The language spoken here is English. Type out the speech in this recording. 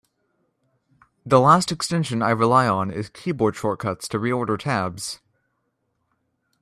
The last extension I rely on is Keyboard Shortcuts to Reorder Tabs.